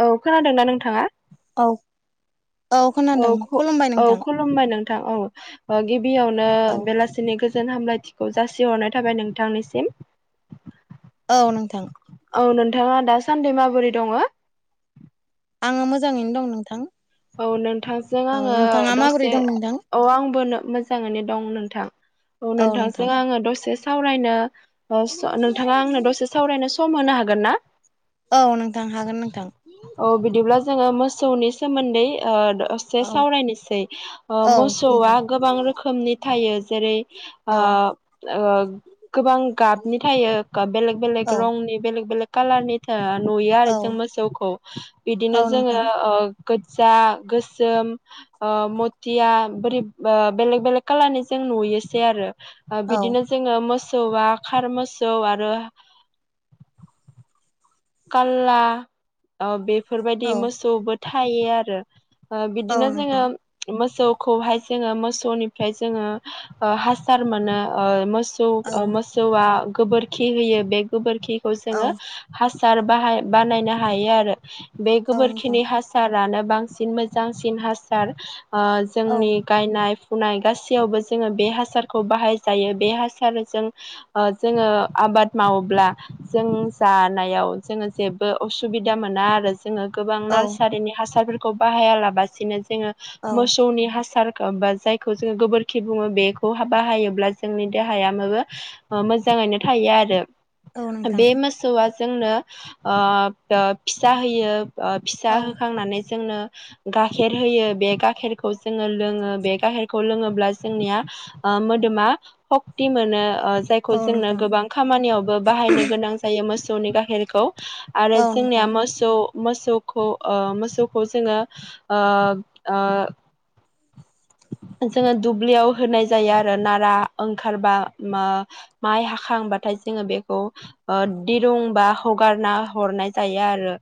औ खोनादोंना नोंथाङा? औ। औ खोनादों खु खुलुमबाय औ नोंथां खुलुमबाय नोंथां औ गिबियावनो औ बेलासि नि गोजोन हामलायथिखौ जासिहरनाय थाबाय नोंथांनिसिम। औ नोंथां। औ नोंथाङा दासान्दि माबोरै दङ? आङो मोजाङैनो दं नोंथां। औ नोंथांजों औ आङो नोंथाङा माबोरै दसे दं नोंथां औ आंबो नो मोजाङैनो दं नोंथां औ नोंथांजों आङो दसे सावरायनो [unintelligible] नोंथाङा आंनो दसे सावरायनो सम होनो हागोन ना? औ नोंथां हागोन नोंथां। औ बिदिब्ला जोङो मोसौनि सोमोन्दै ओ दसे औ सावरायनोसै ओ औ मोसौआ नोंथां गोबां रोखोमनि थायो जेरै ओ औ ओ गोबां गाबनि थायो बेलेग बेलेग औ रंनि बेलेक बेलेक कालारनि था नुयो आरो औ जों मोसौखौ औ बिदिनो जोङो नोंथां ओ गोजा गोसोम ओ मथिया बोरै ओ बेलेग बेलेग कालारनि जों नुयोसै आरो ओ औ बिदिनो जोङो मोसौआ खार मोसौ आरो काला ओ बेफोरबायदि औ मोसौबो थायो आरो ओ औ बिदिनो जोङो नोंथां मोसौखौहाय जोङो मोसौनिफ्राय जोङो ओ हासार मोनो ओ मोस सौ औ ओ मोसौआ गोबोरखि होयो बे गोबोरखिखौ औ जोङो हास सार बाहाय बानायनो हायो आरो बे औ नोंथां गोबोरखिनि हास सारानो बांसिन मोजांसिन हासार ओ औ जोंनि गायनाय फुनाय गासैयावबो जोङो बे हासारखौ बाहायजायो बे हासारजों ओ जोङो आबाद मावोब्ला जों जानायाव जोङो जेबो असुबिदा मोना आरो जोङो गोबां औ नारसारिनि हासारफोर खौ बाहाया लाबासिनो जोङो औ मोसौनि हासार बा जायखौ जोङो गोबोरखि बुङो बेखौ हा बाहायोब्ला जोंनि देहाया मोबो ओ मोजाङैनो थायो आरो औ नोंथां बे मोसौआ जोंनो ओ फिसा होयो ओ फिसा औ होखांनानै जोंनो गाखेर होयो बे गाखेरखौ जोङो लोङो बे गाखेरखौ लोङोब्ला जोंनिया मोदोमा सक्ति मोनो ओ जायखौ औ जोंनो नोंथां गोबां खामानियावबो बाहायनो गोनां जायो मोसौनि गाइखेरखौ आरो औ जोंनिया नोंथां मोस सौ मोसौखौ ओ मोसौखौ जोङो ओ ओ जोङो दुब्लियाव होनाय जायो आरो नारा ओंखारबा मा माइ हाखांबाथाय जोङो बेखौ ओ दिरुं बा हगारना हरनाय जायो आरो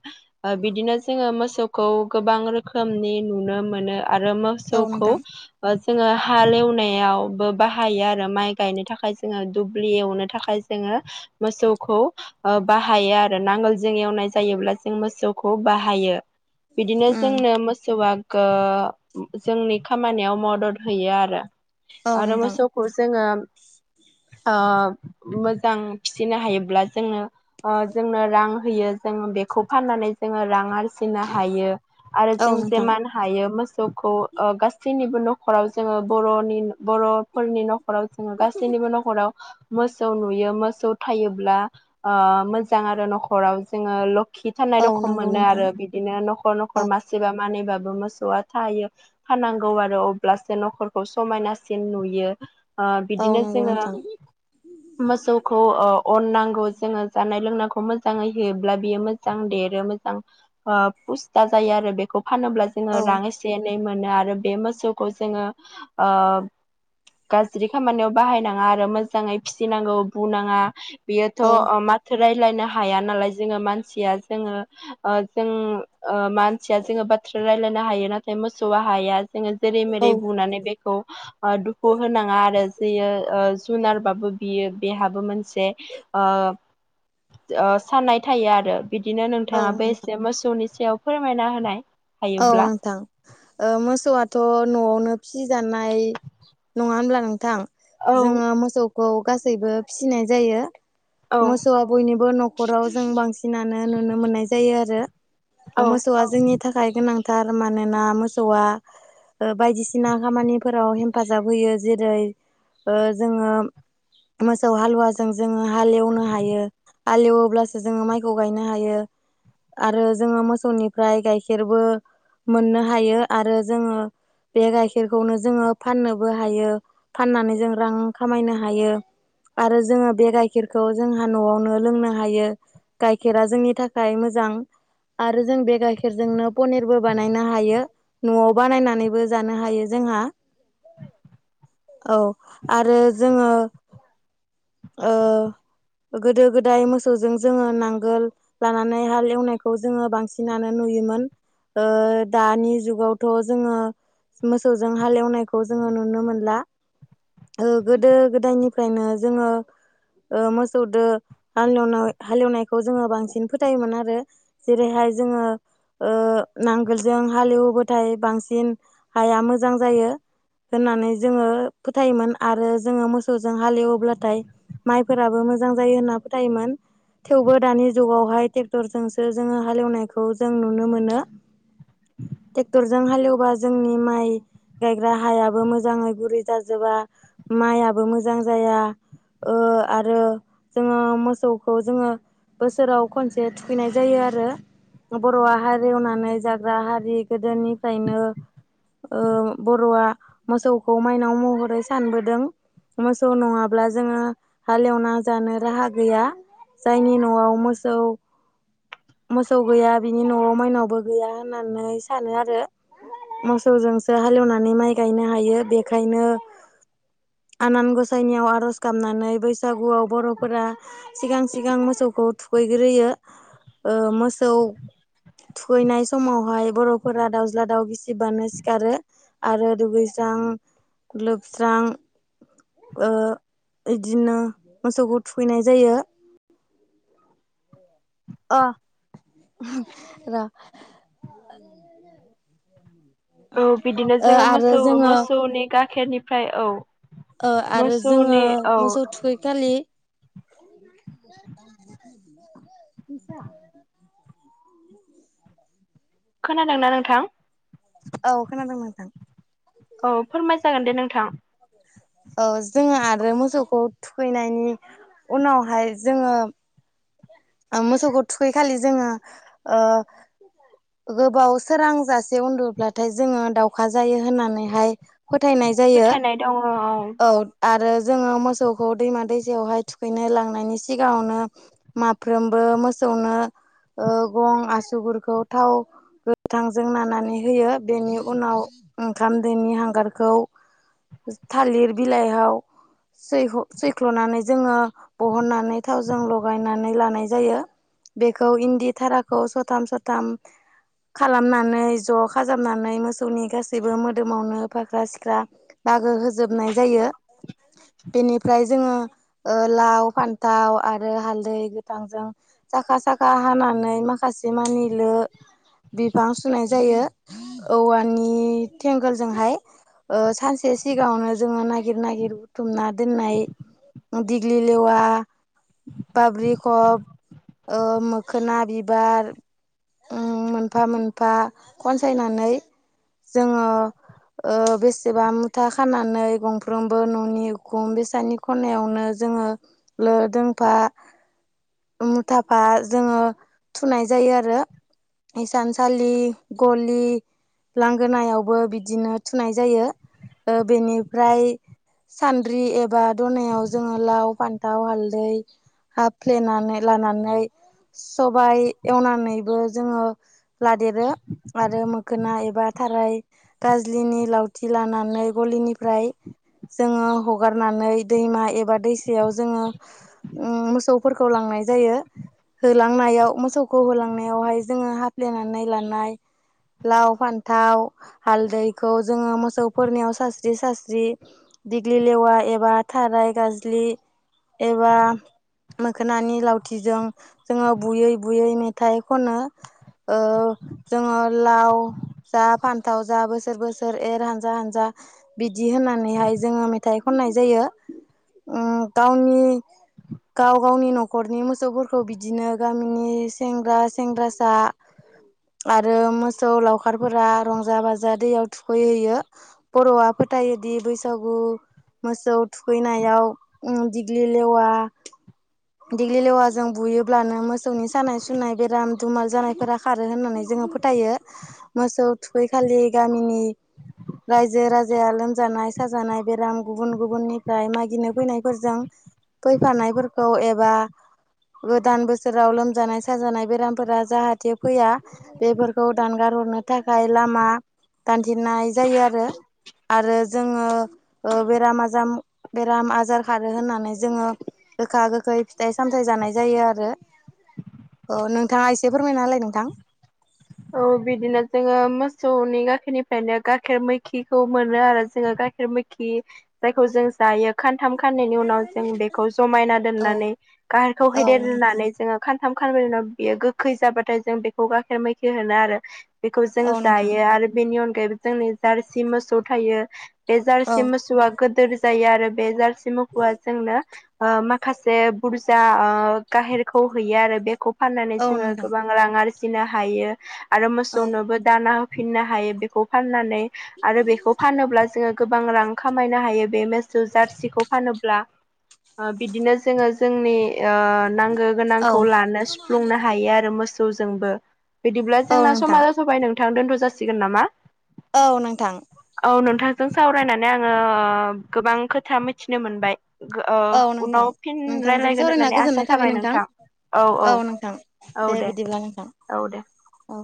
ओ बिदिनो जोङो मोसौखौ गोबां रोखोमनि नुनो मोनो आरो औ मोसौखौ नोंथां ओ जोङो हाल एवनायावबो बाहायो आरो माइ गायनो थाखाय जोङो दुब्लि एवनो थाखाय जोङो मोसौखौ ओ बाहायो आरो नांगोलजों एवनाय जायोब्ला जों मोसौखौ बाहायो बिदिनो उम जोंनो मोसौआ गों जोंनि खामानियाव मदद होयो आरो औ आरो नोंथां मोसौ खौ जोङो ओ मोजां फिसिनो हायोब्ला जोङो ओ जोंनो रां होयो जोङो बेखौ फाननानै जोङो रां आरजि फिसिनो हायो आरो औ जों जे नोंथां मान हायो मोसौखौ ओ गासैनिबो नखराव जोङो बरनि बरफोरनि नखराव जोङो गासैनिबो नखराव मोसौ नुयो मोसौ थायोब्ला ओ-मोजां आरो नखराव जोङो। खिथनाय औ रखम नंगौ मोनो नोंथां आरो बिदिनो नखर नखर औ मास मासेबा मानिबाबो मोसौआ थायो फाननो नांगौ आरो अब्लासो नखरखौ समायनासिन नुयो। औ ओ-बिदिनो नंगौ जोङो। नोंथां मोसौखौ ओ-अननांगौ जोङो जानाय लोंनायखौ मोजाङै होयोब्ला बियो मोजां। मोजां देरो मोजां ओ-फुस्ता जायो आरो बेखौ फानोब्ला जोङो औ रां एसे एनै मोनो आरो बे मोसौखौ जोङो ओ गाज्रि खामानियाव बाहायनाङा आरो मोजाङै फिसिनांगौ बुनाङा। बियोथ औ माथो राय्लायनो हाया नालाय जोङो मानसिया ओ-जोङो जों ओ-मानसिया जोङो बाथ्रा रायलायनो हायो नाथाय मोसौआ हाया जोङो जेरै औ मेरै बुंनानै बे औ। दुखु होनाङा आरो जयो जुनारबाबो बियो बेहाबो मोनसे। ओ-ओ-साननाय थायो आरो। बिदिनो औ नोंथाङाबो नोंथां एसे मोसौनि सायाव फोरमायना होनाय औ हायोब्ला नोंथां। मोसौआथ नआवनो फिसिजानाय नङा होनब्ला नोंथां। औ जोङो मोसौखौ गासैबो फिसिनाय जायो। औ मोसौआ बयनिबो नखराव जों बांसिनानो नुनो मोननाय जायो आरो। औ मोसौआ जोंनि थाखाय गोनांथार मानोना मोसौआ। बायदिसिना खामानिफोराव हेफाजाब होयो जेरै औ-जोङो। मोसौ हालुवाजों जोङो हालेवनो हायो। हालेवोब्लासो जोङो माइखौ गायनो हायो आरो जोङो मोसौनिफ्राय गायखेर खेरबो मोननो हायो आरो जोङो। बे गाइखेरखौनो जोङो फाननोबो हायो फाननानै जों रां खामायनो हायो। आरो जोङो बे गाइखेरखौ जोंहा नआवनो लोंनो हायो। गाइखेरा जोंनि थाखाय मोजां आरो जों बे गाइखेर जोंनो पनिरबो बानायनो हायो नआव बानायनानैबो जानो हायो जोंहा [inaudible] औ आरो जोङो ओ गोदो गोदाय मोसौजों जोङो नांगोल लानानै हाल एवनायखौ जोङो बांसिनानो। नुयोमोन ओ-दानि जुगावथ जोङो। मोसौजों हालेवनायखौ जोङो नुनो मोनला। गोदो गोदायनिफ्रायनो जोङो। ओ-मोसौदो हालेवनाय हालेवनायखौ जोङो बांसिन फोथायोमोन आरो। जेरैहाय जोङो। ओ-नांगोलजों हालेवोबाथाय बांसिन हाया मोजां जायो। होननानै जोङो फोथायोमोन आरो जोङो मोसौजों हालेवोब्लाथाय। माइफोराबो मोजां जायो होनना फोथायोमोन। थेवबो दानि जुगावहाय ट्रेक्टरजोंसो जोङो हालेवनायखौ जों नुनो मोनो। ट्रेक्टरजों हालेवबा जोंनि माइ। गायग्रा हायाबो मोजाङै गुरै जाजोबा माइाबो मोजां जाया। ओ-आरो जोङो मोसौखौ जोङो। बोसोराव खनसे थुखैनाय जायो आरो। बरवा हारिवनानै जाग्रा हारि गोदोनिफ्रायनो। ओ-बरआ मोसौखौ माइनाव महरै सानबोदों। मोसौ नङाब्ला जोङो हालेवना जानो राहा गैया। जायनि नआव मोसौ मोसौ गैया। बिनि न'आव माइनावबो गैया होननानै सानो आरो। मोसौजोंसो हालेवनानै माइ गायनो हायो बेखायनो आनान गसाइनियाव आर'ज गाबनानै बैसागुआव बर'फोरा सिगां सिगां मोसौखौ थुखैग्रोयो ओ मोसौ थुखैनाय समावहाय बर'फोरा दाउज्ला दाउ गिसिबानो सिखारो। आरो दुगैस्रां-लोबस्रां ओ बिदिनो मोसौखौ थुखैनाय जायो अह र' औ बिदिनो ओ जोङो आरो मोसौ जोङो मोसौनि गाइाखेरनिफ्राय औ। आरो जोङो मोसौनि औ मोसौ थुखैखालि फिस खोनादोंना नोंथां औ खोनादों नोंथां। औ फोरमाय जागोन दे नोंथां औ जोङो आरो मोसौखौ थुखैनायनि उनावहाय जोङो मोसौखौ थुखै खालि जोङो ओ गोबाव सोरांजासे उन्दुब्लाथाय जोङो दावउखा जायो होननानैहाय फोथायनाय जायो फोथायनाय दङ औ। आरो जोङो मोसौखौ दैमा दैसायावहाय थुखैनो लांनायनि सिगाङावनो सफ्रोमबो मोसौनो गं आसुगुरखौ थाव गोथांजों नानानै होयो बेनि उनाव ओंखाम दोनि हांगारखौ थालिर बिलाइयाव सै सैख्ल'नानै जोङो बहननानै थावजों लगायनानै लानाय जायो बेखौ इन्दि थाराखौ स'थाम स'थाम खालामनानै ज' खाजाबनानै मोसौनि गासैबो मोदोमावनो फाख्रा सिख्रा दागो होजोबनाय जायो। बेनिफ्राय जोङो ओ लाव फान्थाव आरो हालदै गोथांजों साखा साखा हानानै माखासे मानि लो बिफां सुनाय जायो औवानि थेंगोलजोंहाय सानसे सिगाङावनो जोङो नागिर नागिर बुथुमना दोननाय दिगलि लेवा पाबलिक खब मोखोना बिबार ओ मोनफा मोनफा खनसायनानै जोङो ओ बेसेबा मुथा खानानै गंफ्रोमबो न'नि खुम बेसानि खनायावनो जोङो लो दोंफा मुथाफा जोङो थुनाय जायो आरो। इसानसालि गलि लांगोनायावबो बिदिनो थुनाय जायो बेनिफ्राय सान्द्रि एबा दनायायाव जोङो लाव फान्थाव हालदै ह फ्लेनानै लानानै सबाइ एवनानैबो जोङो लादेरो आरो मोखोना एबा थाराय गाजलिनि लावथि लानानै गलिनिफ्राय जोङो हगारनानै दैमा एबा दैसायाव जोङो उम मोसौ फोरखौ लांनाय जायो। होलांनायाव मोसौखौ होलांनायावहाय जोङो हाफ्लेनानै लानाय लाव फान्थाव हालदैखौ जोङो मोसौफोरनियाव सास्रि सास्रि दिग्लि लेवा एबा खाराय गाजलि एबा मोखोनानि लावथिजों जोङो बुयै बुयै मेथाइ खनो। जोङो लाव जा फान्थाव जा बोसोर बोसोर एर हानजा हानजा बिदि होननानैहाय जोङो मेथाइ खननाय जायो ओ गावनि गाव गावनि न'खरनि मोसौफोरखौ बिदिनो गामिनि सेंग्रा सेंग्रासा आरो मोसौ लावखारफोरा रंजा बाजा दैयाव थुखैहैयो बर'आ फोथायोदि बैसागु मोसौ थुखैनायाव दिग्लि लेवा दिेग्लि लेवा जों बुयोब्लानो मोसौनि सानाय सुनाय बेराम दुमाल जानायफोरा खारो होननानै जोङो फोथायो मोसौ थुखैखालि गामिनि रायजो राजाया लोमजानाय साजानाय बेराम गुबुन गुबुननिफ्राय मागिनो फैनायफोरजों फैफानायफोरखौ एबा गोदान बोसोराव लोमजानाय साजानाय बेरामफोरा जाहाथे फैया बेफोरखौ दानगार हरनो थाखाय लामा दानथेनाय जायो आरो आरो जोङो बेराम आजाम बेराम आजार खारो होननानै जोङो गोखा गोखै फिथाइ सामथाइ जानाय जायो आरो औ नोंथाङा एसे फोरमायना होलाय नोंथां औ बिदिनो जोङो मोसौनि गाखेरनिफ्रायनो गाइखेर मैखिखौ मोनो आरो जोङो गाइखेर मैखि खि जायखौ जों जायो खानथाम खानैनायनि उनाव जों बेखौ जमायना औ दोननानै गाहेरखौ औ नोंथां हैदेरनानै जोङो खानथाम खानब्रैनि उनाव बियो गोखै जाबाथाय जों बेखौ गाइखेर मैखि होनो आरो बिखौ जों औ नोंथां जायो आरो बेनि अनगायैबो जोंनि जारसि मोसौ थायो बे जारसि औ मोसौआ गोदोर जायो आरो बे जारसि मोखौआ जोंनो ओ माखासे बुरजा गाहेरखौ हैयो आरो बेखौ फाननानै औ जोङो नोंथां गोबां रां आरजिनो हायो आरो औ मोसौनोबो दाना होफिननो हायो बेखौ फाननानै आरो बेखौ फानोब्ला जोङो गोबां रां खामायनो हायो बे मेसौ जारसिखौ फानोब्ला ओ बिदिनो जोङो जोंनि ओ नांगो गोनांखौ औ लानो सुफुंनो हायो आरो मोसौजोंबो बिदिब्ला औ जोंना समा नोंथां जाथ'बाय नोंथां दोन्थ' जासिगोन नामा औ नोंथां औ नोंथांजों सावरायनानै आङो ओ गोबां खोथा मिथिनो मोनबाय ओ औ नोंथां उनाव फिन नोंथांजों रायलायगोन सावरायना होननानै आसा गोजोननाय थाबाय नोंथां औ औ औ दे बिदिब्ला नोंथां औ दे औ